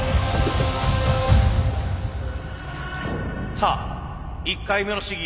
さあ１回目の試技